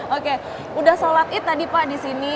oke sudah sholat id tadi pak di sini